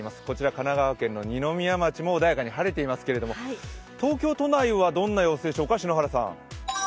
神奈川県二宮町も穏やかに晴れていますけれども、東京都内はどんな様子でしょうか篠原さん。